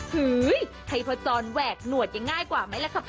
เฮ้ยใครพจรแหวกหนวดยังง่ายกว่าไหมล่ะค่ะ